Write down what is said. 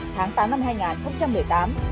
tháng tám năm hai nghìn một mươi tám